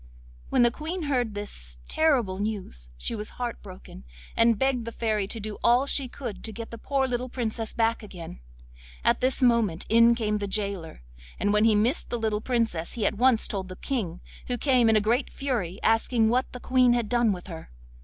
When the Queen heard this terrible news she was heart broken, and begged the Fairy to do all she could to get the poor little Princess back again. At this moment in came the gaoler, and when he missed the little Princess he at once told the King, who came in a great fury asking what the Queen had done with her.